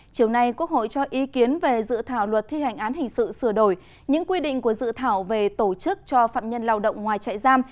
chiều nay quốc hội cho ý kiến về dự thảo luật thi hành án hình sự sửa đổi những quy định của dự thảo về tổ chức cho phạm nhân lao động ngoài chạy giam